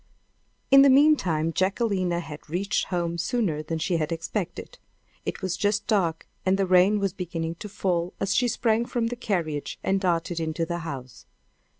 In the meantime Jacquelina had reached home sooner than she had expected. It was just dark, and the rain was beginning to fall as she sprang from the carriage and darted into the house.